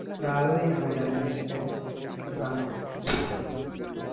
প্রায়ই নামী-দামী আসতেন গান করতে।